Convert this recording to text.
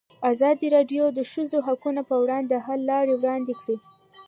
ازادي راډیو د د ښځو حقونه پر وړاندې د حل لارې وړاندې کړي.